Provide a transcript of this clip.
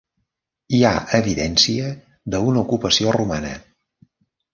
Hi ha evidència d'una ocupació romana.